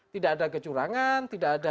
tidak ada kecurangan tidak ada